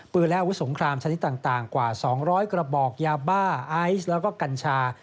และอาวุธสงครามชนิดต่างกว่า๒๐๐กระบอกยาบ้าไอซ์แล้วก็กัญชา